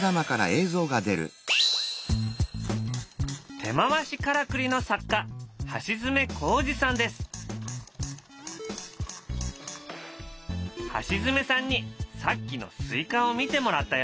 手回しからくりの作家橋爪さんにさっきのスイカを見てもらったよ。